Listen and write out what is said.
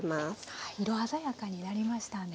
はい色鮮やかになりましたね。